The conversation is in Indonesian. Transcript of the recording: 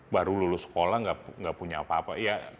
baru lulus sekolah nggak punya apa apa